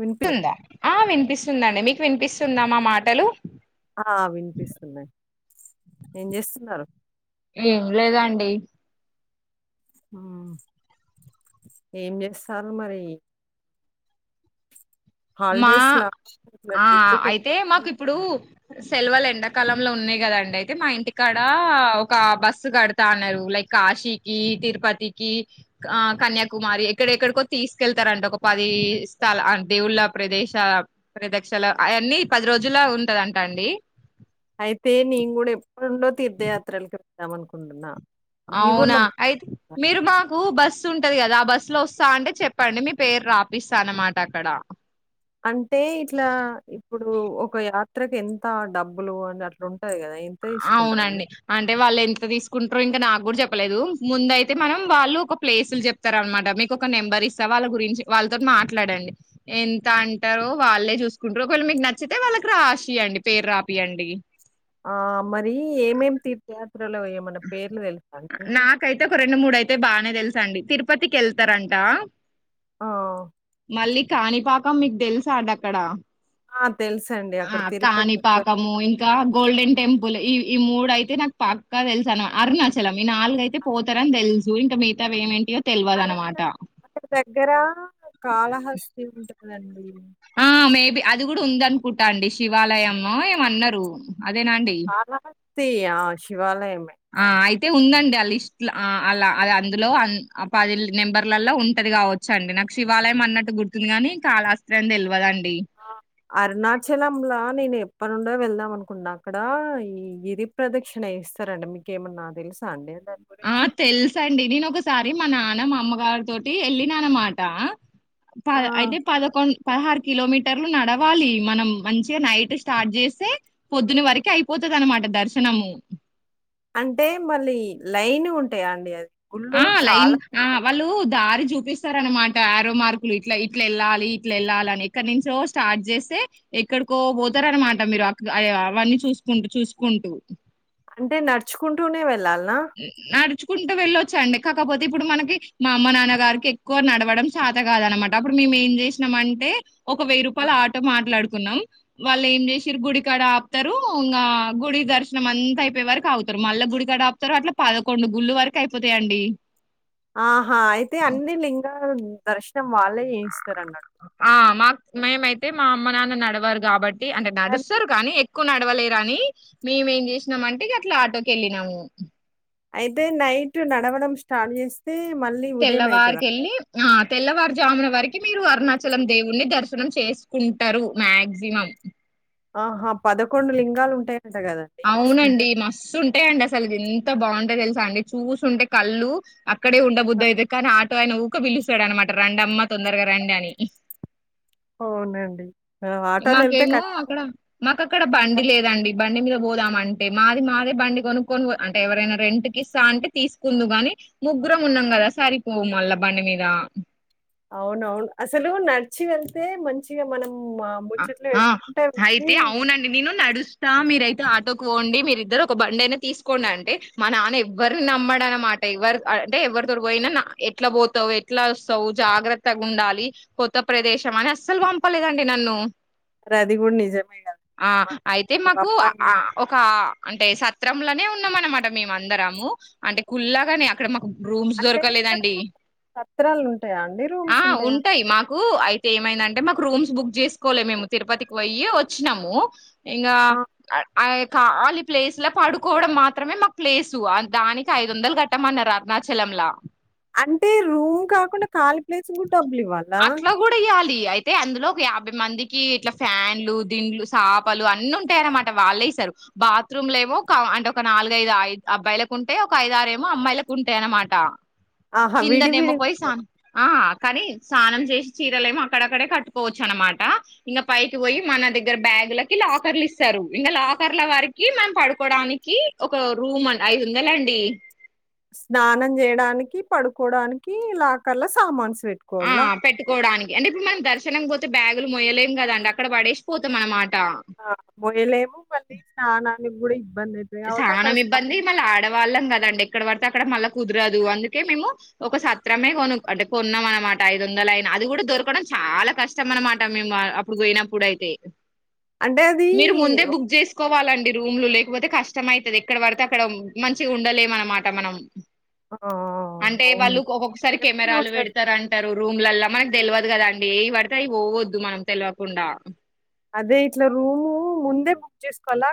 వినిపి స్తుందా ఆ వినిపిస్తుందండి మీకు వినిపిస్తుందా మా మాటలు ఆ వినిపిస్తున్నాయి ఏం చేస్తున్నారు ఏం లేదండి ఉమ్ ఏం చేస్తారు మరి మా హాలిడేస్ లా ఇలా ఆ ట్రిప్పుకి వెళ్ళ సెలవలు ఎండాకాలంలో ఉన్నాయి కదండి అయితే మా ఇంటికాడ ఒక బస్సు కడతా అన్నారు లైక్ కాశీకి తిరుపతికి ఆ కన్యాకుమారి ఎక్కడెక్కడికో తీసుకెళ్తారంట ఒక పది స్థల దేవుళ్ళ ప్రదేశ ప్రదక్షలు అవన్నీ పది రోజుల్లో ఉంటదంట అండి తీర్థయాత్రలు వద్దాం అనుకుంటన్నా అవునా అయితే మీరు మాకు బస్సు ఉంట ంటది కదా ఆ బస్సు లో వస్తా అంటే చెప్పండి మీ పేరు రాపిస్తా అన్నమాట అక్కడ అంటే ఇట్లా ఇప్పుడు ఒక యాత్రకు ఎంత డబ్బులు అని అట్లా ఉంటది కదా ఎంత తీసుకుంటారండి అవునండి అంటే వాళ్ళు ఎంత తీసుకుంటారో ఇంకా నాకు కూడా చెప్పలేదు ముందయితే మనం వాళ్ళు ఒక ప్లేసులు చెప్తార అనమాట మీకు ఒక నెంబర్ ఇస్తా వాళ్ళ గురించి వాళ్ళతో మాట్లాడండి ఎంత అంటారో వాళ్ళే చూసుకుంటారు ఒకవేళ మీకు నచ్చితే వాళ్ళకి రాసియండి పేరు రాపియండి ఆ మరి ఏమేం తీర్చారు పాత్రలో ఏమన్నా పేర్లు తెలుస్తానా నీకు నాకైతే ఒక రెండు మూడు అయితే బానే తెలుస అండి తిరుపతికి వెళ్తారంటా ఆ మళ్ళీ కానీపాక క మీకు తెలుసా అండి అక్కడ ఆ తెలుసండి ఆ అక్కడ తిరుపతి దగ్గర కాణిపాకము ఇంకా గోల్డెన్ టెంపుల్ ఇవి ఈ మూడు అయితే నాకు పక్కా తెలుసు అను అరుణాచలం మీ నాలుగయితే పోతార అని తెలు చూడింకా మిగతా ఏంటియో మళ్ళ అక్క దగ్గర కాళహస్తి ఉంటుంది అండి ఆ మేబి అది కూడా ఉంద అనుకుంటా అండి శివాలయము ఏమో అన్నారు అదే నా అండి తి ఆ శివాలయం ఆ అయితే ఉందండి ఆ లిస్ట్ అలా అది అందులో పది నెంబర్లలో ఉంటది కావచ్చు అండి నాకు శివాలయం అన్నట్టు గుర్తుంది కాని కాలాస్త్రయం తెలియదండి ఆ అరుణాచలంలా నేను ఎప్పడి నుండో వెళ్దాం అనుకున్నా. అక్కడ ఈ గిరి ప్రదక్షిణ చేస్తారండి మీకేమన్నా తెలుసా అండి. దాని ఆ గురించి? తెలుసండి నేను ఒకసారి మనా మా అమ్మగారి తోటి వెళ్ళినన్నమాట ఆ! పద అయితే పదకొండు పదహారు కిలోమీటర్లు నడవాలి మనం మంచిగా నైట్ స్టార్ట్ చేస్తే పొద్దున వరకి అయిపోతది అనమాట దర్శనము అంటే మళ్ళీ లైన్గ ఉంటాయా అండి అది గుళ్ళు ఆ చాలా లైనగ ఆ వాళ్లు దారి చూపిస్తారనమాట ఆరో మార్కులు ఇట్లా ఇట్లా వెళ్ళాలి ఇట్ల వెళ్ళాలి అని ఎక్కడి నుంచో స్టార్ట్ చేస్తే ఎక్కడికో పోతారనమాట మీరు అ అవన్నీ చూసుకుంటూ చూసుకుంటూ అంటే నడుచుకుంటూనే వెళ్ళాలి నడుచు కుంటు వెళ్ళొచ్చండి కాకపోతే ఇప్పుడు మనకి మా అమ్మ నాన్న గారికి ఎక్కువ నడవడం చేత కాదనమాట అప్పుడు మేము ఏం చేసినం అంటే ఒక వెయ్యి రూపాల ఆటో మాట్లాడుకు న్నాం వాళ్ళు ఏం చేసిరు గుడికాడ ఆపుతరు ఇంకా గుడి దర్శనం అంతా అయిపోయె వరకు ఆగుతరు మళ్ళా గుడికాడ ఆపు తరు అట్ల పదకొండు గుళ్లు వరకు అయిపోతయండి ఆహా అయితే అన్ని లింగా దర్శనం వాళ్ళే చెయిస్త ఆ మా మేమైతే మా అమ్మ నాన్న నడవరు కాబట్టి అంటే నడుస్తారు కానీ ఎక్కువ ఎక్కువ నడవలేరని మేమేం చేసినాం అంటే ఇక అట్లా ఆటోకి వెళ్ళినాము అయితే నైట్ నడవడం స్టార్ట్ చేసి తెల్లవారికి వెళ్ళి ఆ తెల్లవారుజామున వరకు మీరు అరుణాచలం దేవుడిని దర్శనం చేసుకుంటారు మాక్సిమం ఆహా పదకొండు లింగాలు ఉంటయ అవునండి మస్తు ఉంటాయండి అసలు ఎంత బాగుంటయో తెలుసా అండి చూస్తుంటే కళ్ళు అక్కడే ఉండ బుద్ధ కదా! అయిద్ది కానీ ఆటో అయన ఊ రక పిలుస్తాడు అనమాట రండి అమ్మ తొందరగా రండి అని అవునండి ఆ! ఆటోలో ఎళ్తే మాకేమో ఖచ్చితంగా అక్కడ మాకు అక్కడ బండి సార్. లేదండి బండి మీద పోదామంటే మాది మాదే బండి కొనుక్కొని పో అంటే ఎవరైనా రెంట్కి ఇస్తా అంటే తీసుకుందుగాని ముగ్గురం ఉన్నాం కదా సరిపోము మళ్ళా బండి మీద. అవునవును అసలు నడిచి వెళ్తే మంచిగా మనం ఆహ్, ముచ్చట్లు ఆ పెట్టుకుంటే అయితే వెళ్ళి అవునండి నేను నడు స్త మీరైతే ఆటోకి పోండి. మీరిద్దరు ఒక బండి అయినా తీసుకోండి. అంటే మా నాన్న ఎవ్వరిని నమ్మడ అనమాట ఎవ్వరు అంటే ఎవరితో పోయినా ఎట్లా పోతావు, ఎట్లా వస్తావు జాగ్రత్తగా ఉండాలి కొత్త ప్రదేశం అని అస్సలు పంపలేదండి నన్ను. మరి అది గూడా నిజమే గదండీ! ఆ మ అయితే మాకు అబ్బాయిని ఆ ఒక అంటే సత్రంలోనే ఉన్నామనమాట మేము అందరము అంటే కుల్లాగానే అక్కడ మాకు రూమ్స్ అంటే అక్కడ దొరకలేదండి సత్రాలుంటాయా అండి? ఆ రూమ్స్ ఉంటాయా? ఉంటాయి మాకు అయితే ఏమైందంటే మాకు రూమ్స్ బుక్ చేస్ కోలే మేము తిరుపతికి పోయ్యి వచ్చినాము ఇంగ ఆ! కావాలి ప్లేస్ లో పడుకోవడం మాత్రమే మాకు ప్లేసు దానికి ఐదు వందలు కట్టమన్నారు అరుణాచలంలా అంటే రూమ్ కాకుండా కాలి ప్లేస్ కూడా బ్లివాల అట్లా కూడా ఇయ్యాలి అయితే అందులో ఒక యాభై మందికి ఇట్లా ఫ్యాన్లు దిండ్లు చాపలు అన్ని ఉంటాయనమాట వాళ్ళ ఇస్తారు బాత్రూమ్ ఏమో అంటే ఒక నాలుగైదు ఐదు అబ్బాయిలకు ఉంటే ఒక ఐదారు ఏమో అమ్మాయిలకు ఉంటాయనమాట ఆహా! చిందన్ విడివిడిగుంటాయా? ఏమపోసాన్ కానీ స్నానం చేసి చీరలు ఏమో అక్కడక్కడే కట్టుకోవచ్చు అనమాట ఇంకా పైకి పోయి మన దగ్గర బ్యాగులకి లాకర్లు ఇస్తారు ఇంకా లాకర్ల వారికి మనం పడుకోడానికి ఒక రూమ్ ఐదు వందల అండి స్నానం చేయడానికి పడుకోవడానికి ఇలా కల్లా సామాన్స్ ఆ పెట్టుకోవాలా? పెట్టుకోవడానికి అంటే ఇప్పుడు మన దర్శనం పోతే బ్యాగులు మొయ్యలేమ్ కదండి అక్కడ పడేసి పోతంనమాట ఆ మోయలేము మళ్ళీ స్నానా గుడి సహనం ఇబ్బంది మళ్ళీ ఆడవాళ్ళం కదండి ఇక్కడ పడితే అక్కడ మళ్ళా కుదరదు అందుకే మేము ఒక సత్రమే కొను అంటే కొన్నాం అనమాట ఐదు వందల అయిన అది కూడా దొరకడం చాలా కష్టం అనమాట మేము అప్పుడు పోయినప్పుడు అయితే అంటే అది మీరు ముందే బుక్ చేసుకోవాలండి రూమ్ లో లేకపోతే కస్ట్ కష్టం అయితది ఎక్కడ పడితే అక్కడ మంచిగా ఉండలేము అనమాట మనం ఆ! అంటే అవును వాళ్ళు నిజం. ఒక్కొక్కసారి సేఫ్టీ కెమెరాలు ఉంటది. పెడతార అంటారు రూమ్లలో మనకు తెల్వదు కదా అండి ఏవి పడితే అవి పోవద్దు మనం తెల్వకుండా అదే ఇట్లా రూము ముందే బుక్ చేసుకోల్లా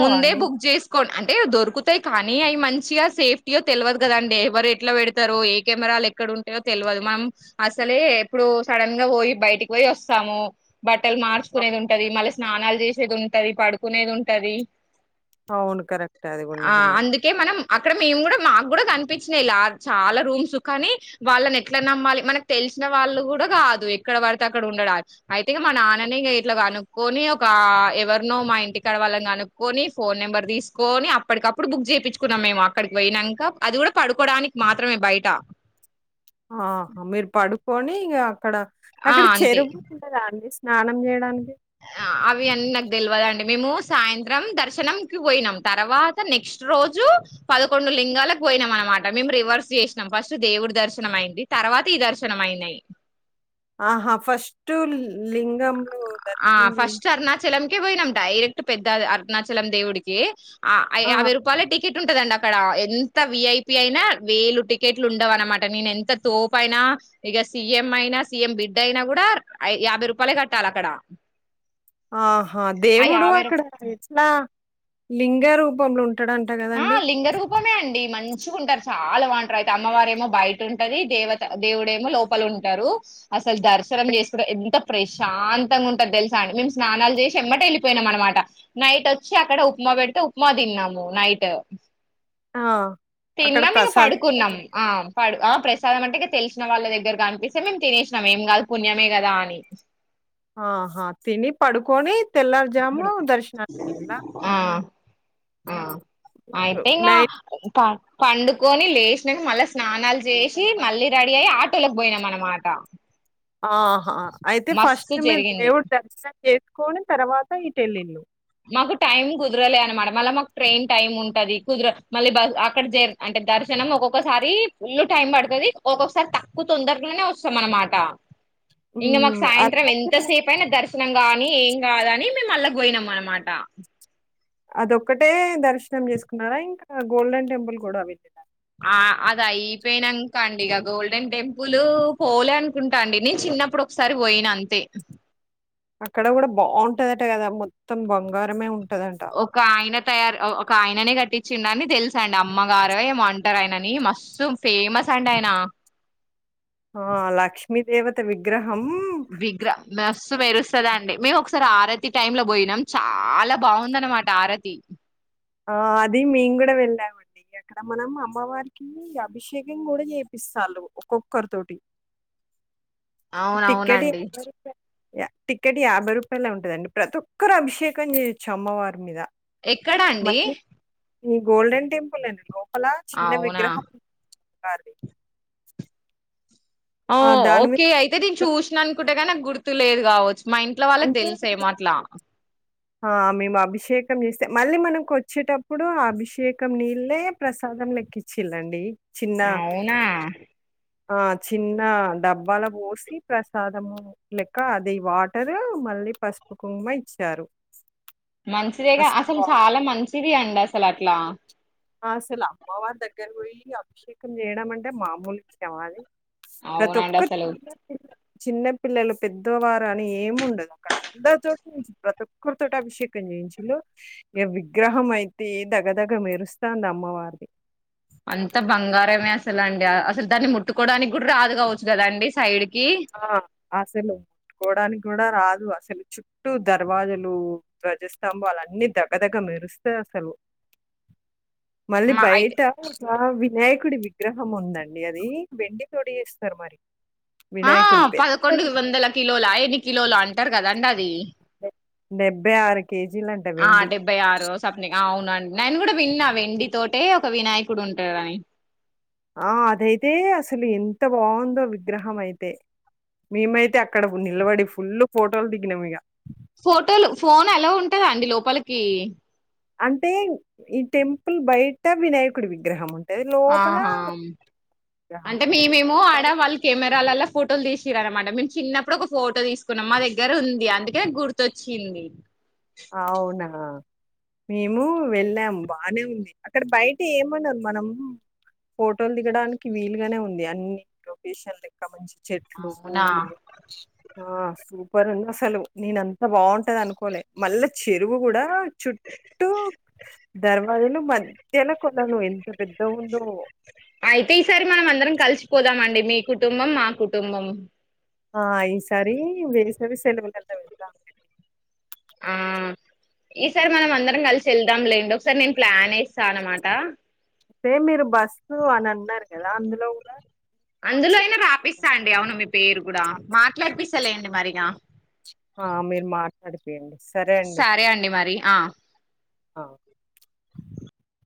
ముందే బుక్ చేసుకోండి అంటే దొరుకుతాయి కానీ అవి మంచ్ మంచిగా సేఫ్టీయో తెల్వదు కదాండి ఎవరు ఎట్లా పెడతారు ఏ కెమెరాలు ఎక్కడ ఉంటాయో తెల్వదు మనం అసలే ఎప్పుడు సడన్ గా పోయి బయటికి పోయి వస్తాము బట్టలు అ మార్చుకునేది ఉంటది మళ్ స్నాలు చేసేది ఉంటది పడుకునేది ఉంట్ కది అవును. కరెక్టే. అది గూడా ఆ నిజమే. అందుకే మనం అక్కడ మేము కూడా మాకు కూడా కనిపించినాలా చాలా రూమ్స్ కాని వాళ్ళని ఎట్లా నమ్మాలి మనకు తెలిసిన వాళ్ళు కూడా కాదు ఎక్కడ పడితే అక్కడ ఉండడానికి అయిప్ అ మా నాన్నని ఇట్లాగనుక్ కొని ఒక ఎవర్నో మా ఇంటికి ఇక్కడ వాళ్ళం కనుకొని ఫోన్ నెంబర్ తీసుకొని అప్పకప్పుడు బుక్ చేయిించుకున్నాం మేము అక్కడికి పోయినంకా అది కూడా పడుకోడానికి మాత్రమే బయట ఆ మీరు పడు కొని ఇగ ఆ అక్కడ అంతే చెరువు ఉండదా అండి స్నానం చేయడానికి అవి అన్ తెలివదండి మేము సాయంత్రం దర్శనంకి పోయినాం తర్వాత నెక్స్ట్ రోజు పదకొండు లింగాలకు పోయినాం అనమాట మేము రివర్స్ చేసినాం ఫస్ట్ దేవుడి దర్శనం అయింది తర్వాత ఈ దర్శనం అయినాయి ఆహా ఫస్ట్ లింగం ఆ ఫస్ట్ అరుణచలంకే పోయినం డైరెక్ట్ పెద్ద అరుణాచలం దేవుడికే ఆ యాభై రూపాయలే టి ఉంటదండి అక్కడ ఎంత విఐపి అయినా వేలు టికెట్లు ఉండవు అనమాట నేను ఎంత తోపు అయినా ఇక సిఎం అయినా సీఎం బిడ్డ అయినా కూడా యాభై రూపాయలే కట్టాలే అక్కడ ఆహా ఆ దేవుడు యాభై అక్కడ ఎట్లా లింగ రూపంలో ఉంటాడంట ఆ గదండీ! లింగరూపమే అండి మ చ్చుకుంటారు చాలా బాంటరు అయితే అమ్మవారేమో బయట ఉంటంది దేవత దేవుడేమో లోపల ఉంటారు అసలు దర్శనం చేసుకుంట ఎంత ప్రశాంతంగా ఉంటది తెలుసా అండి మేము స్నానాలు చేసి ఎమ్మట వెళ్ళిపోయినాం అనమాట నైట్ వచ్చి అక్కడ ఉప్మా పెడితే ఉప్మా తిన్నాము నై ట్ ఆ! అక్కడ తిన్నాం ఇగ ప్రసాదం కూడా పడుకున్నాం పెడతారు. ఆ పడు ఆ ప్రసాదం అంటేఇగ తెలిసిన వాళ్ళ దగ్గర అనిపిస్తే మేము తినేసినాం ఏం కాదు పుణ్యమే కదా అని ఆహా తిని పడుకొని తెల్లారు జాము ఇప్పుడు దర్శనానికి ఎల్లిల్లా ఆ ఆ అయితే ఇంగ నైట్ పండుకొని లేచినాక మళ్ళా స్నానాలు చేసి మళ్ళీ రెడీ అయి ఆటోలకి పోయినాం అనమాట ఆహా అయితే మస్తు ఫస్ట్ మీరు జరిగింది దేవుడు దర్శనం చేసుకొని తర్వాత ఈ ఇటెల్లిల్లు మాకు టైం కుదరలే అనమాట మళ్ళ మాకు ట్రైన్ టైం ఉంటది కుదర మళ్ళీ బస్ అక్కడ అంటే దర్శనం ఒక్కొక్కసారి ఫుల్ టైం పడతది. ఒక్కొక్కసారి తక్కువ తొందరగాలోనే వస్తాం అనమాట ఇంక మాకు హ్మ్. సాయంత్రం అరుణాచలం ఎంతసేపు అయినా దర్శనం కానీ ఏం కాదని మేము అళ్లకు పోయినాము. మాటా అదొక్కటే దర్శనం చేసుకున్నారా ఇంకా గోల్డెన్ టెంపుల్ కూడా వెళ ఆ అది అయిపోయినంక అండి ఇక గోల్డెన్ టెంపుల్ పోలే అనుకుంటా అండి నేను చిన్నప్పుడు ఒకసారి పోయిన అంతే అక్కడ కూడా బాంటదట కదా మొత్తం బంగారమే ఉ ఒక ఆయన తయారు ఒక ఆయన న్ననే కట్టించిడని తెలుస అండి అమ్మగారు ఏమొ అంటారు ఆయనని మస్తు ఫేమస్ అండి ఆయన ఆ లక్ష మీ దేవత విగ్రహ విగ్రహ మస్తు మెరుస్తది అండి మేము ఒకసారి ఆ ఈ టైం లో పోయినాం చాలా బాగుందనమాట ఆరతి ఆ అది మేము కూడా వెళ్ళామండి, అక్కడ మనం అమ్మవారికి అభిషేకం కూడా చేపిస్తాలు ఒక్కొక్కరి తోటి టికెట్ అవునవునండి టిక్కెట్ యాభై రూపాయలు ఉంటదండి ప్రతి ఒక్కరు అభిషేకం చేయొచ్చు అమ్మవారి మీద ఎక్ ఎక్కడ అండి. మళ్ళీ ఈ గోల్డన్ టెంపల్ అన కో లా చిన్న అవునా విగ్రహం కార్ ది ఓకే అయితే నేన్ అభిషేకం చూసిన అనుకుంట గానీ నాక్ గుర్తులేదు కావచ్ మా ఇంట్లో వాళ్ళకి అంటే తెలుసే మో అట్లా ఆ మేము అభిషేకం చేస్తే మళ్ళీ మనకు వచ్చేటప్పుడు ఆ అభిషేకం నీళ్ళే ప్రసాదం లెక్కిచ్చిళండి అవునా ఆ చిన్న డబ్బాల పోసి ప్రసాదము లెక్క, అది వాటరు మళ్ళీ పసుపు కుంకుమ ఇచ్చారు మంచిదేగా అసలు చాలా మంచిది అండి అసల అట్లా అసల్ అమ్మవారి దగ్గర పోయి అభిషేకం చేయడం అంటే మామూల్ విషయమా అది ప్రతి అవునండి ఒక్క అసలు చిన్న పిల్లలు పెద్దవారు అని ఏమి ఉండదు అక్కడ, అందరితోోటి ను ప్రతి ఒక్కరితోోటి, అభిషేకం చేయించిలు ఈ విగ్రహం అయితే దగదగ మెరుస్ తాంది అమ్మవార్ ది అంత బంగారమే అసలు అండి అసలు దాన్ని ముట్టుకోవడానికి కూడా రాదు కావచ్చు కదాండి సైడ్ కి ఆ అసలుకోడానికి కూడా రాద్ అసలు చుట్టూ దర్వాజలు ధ్వజస్తంబాల్ అన్నీ దగ్గదగ్గ మెరుస్తాయి అసలు మళ్ళీ మా అయితే బయట ఆ వినాయక్ కుడి విగ్రహం ఉందండి అది వెండి తొడి చేస్తారు మరి ఆ వినాయకుడిది పెద్ద పదకొండు వందల కిలోల అయన్ని కిలోల అంటారు కదాండి అది డి డె- డెబ్బై ఆర్ ఆ డెబ్బై ఆరు సప్ని అవున్ నన్ నేను కూడా విన్నా వెండి తోటే ఒక వినాయకుడు ఉంటాడని ఆ అదైతే అసలు ఎంత బాగుందో విగ్రహం అయితే, మేమైతే అక్కడ నిలబడి ఫుల్ ఫోటోలు దిగినం ఇగ ఫోటోలు ఫోన్ అలో ఉంటందా అండి లోపలికి అంటే ఈ టెంపుల్ బయట వినాయకుడి విగ్రహము న్ ఆహా హామ్ విగ్రహం అంటే ఉంటది. మేమేమో ఆడ బయ వాళ్ కెమెరాలలా ఫోటోలు తీషిర్ అనమాట మేం చిన్నప్పుడు ఒక ఫోటో తీసుకున్నాం. మా దగ్గర ఉం. ది అందుకే గుర్తొచ్చింది అవునా! మేము వెళ్ళాము బానే ఉంది. అక్కడ బయట ఏమనరు మనం ఫోటోలు దిగడానికి వీల్ గానే ఉంది. అన్ని లొకేషన్లు ఎక్క మంచి చెట్లు అవునా పూవ్లు ఆ సూపర్ ఉంది అసలు నేన అంత బావుంటదనుకోలే మళ్ళ చెరువు కూడా చుట్టూ ధర్వాజులు మన అయితే ఈసారి మనం అందరం కలిసిపోదామండి మీ కుటుంబం మా కుటుంబం ఆ ఈసారి వేపవి సెలవల ల్లో వెళ్దాం లెండి ఆ ఈసారి మనం అందరం కలిసి వెళ్దాంలేండి ఒకసారి నేను ప్లాన్ వేస్తా అనమాట అయితే మీరు బస్సు అని అన్నారు కదా అందులో కూడా అందులో అయినా రాపిస్తా అండి అవును మీ పేరు కూడా మాట్లాడిపిస్తలేండి మరిగా అది ఫ్రీ యండి సరే అండి మరి ఆ అ